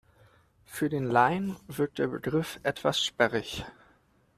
Für den Laien wirkt der Begriff etwas sperrig.